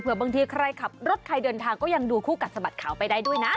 บางทีใครขับรถใครเดินทางก็ยังดูคู่กัดสะบัดข่าวไปได้ด้วยนะ